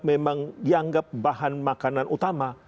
memang dianggap bahan makanan utama